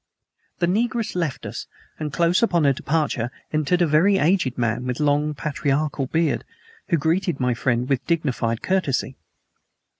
The negress left us, and close upon her departure entered a very aged man with a long patriarchal beard, who greeted my friend with dignified courtesy.